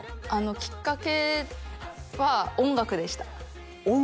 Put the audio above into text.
きっかけは音楽でした音楽？